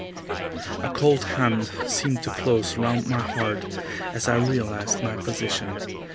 A cold hand seemed to close round my heart as I realized my position.